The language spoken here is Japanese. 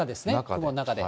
雲の中で。